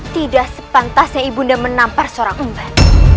tidak sepantasnya ibunda menampar seorang umban